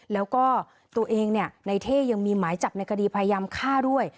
แล้วก็ตัวเองในเท่ยังมีหมายจับในคดีพยายามฆ่าด้วย